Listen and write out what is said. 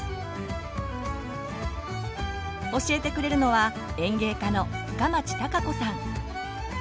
教えてくれるのは園芸家の深町貴子さん。